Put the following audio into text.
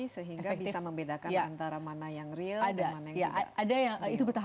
sehingga bisa membedakan antara mana yang real dan mana yang tidak